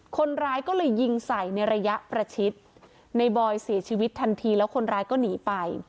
คนร้ายก็เลยยิงใส่ในระยะประชิดในบอยเสียชีวิตทันทีแล้วคนร้ายก็หนีไป